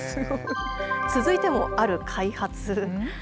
続いても、ある開発。